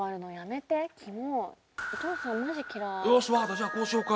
じゃあこうしようか。